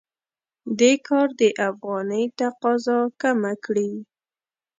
دې کار د افغانۍ تقاضا کمه کړې.